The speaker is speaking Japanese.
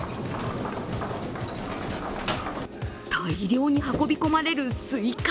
大量に運び込まれるすいか。